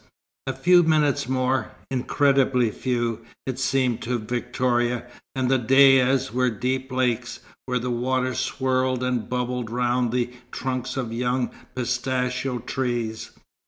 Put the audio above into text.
A few minutes more incredibly few, it seemed to Victoria and the dayas were deep lakes, where the water swirled and bubbled round the trunks of young pistachio trees.